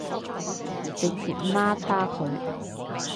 直接媽叉佢